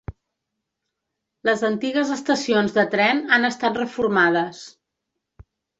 Les antigues estacions de tren han estat reformades.